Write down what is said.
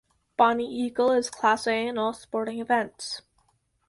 Bonny Eagle is Class A in all sporting events.